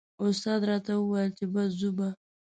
استاد راته و ویل چې بس ځو به.